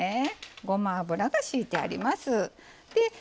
ごま油がしいてあります。